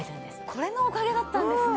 これのおかげだったんですね。